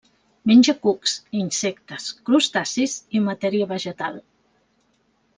Menja cucs, insectes, crustacis i matèria vegetal.